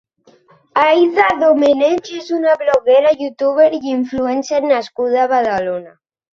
Aida Domènech és una bloguera, youtuber i influencer nascuda a Badalona.